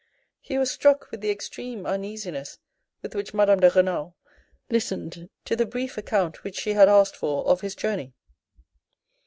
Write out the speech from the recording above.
He was struck with the extreme uneasiness with which Madame de Renal listened to the brief account which she had asked for of his journey.